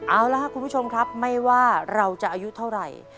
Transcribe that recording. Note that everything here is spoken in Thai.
เอาล่ะครับคุณผู้ชมครับไม่ว่าเราจะอายุเท่าไหร่